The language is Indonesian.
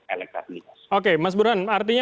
elektabilitas oke mas burhan artinya